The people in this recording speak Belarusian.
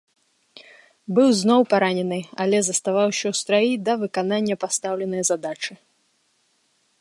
Быў зноў паранены, але заставаўся ў страі да выканання пастаўленай задачы.